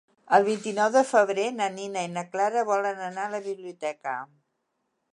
El vint-i-nou de febrer na Nina i na Clara volen anar a la biblioteca.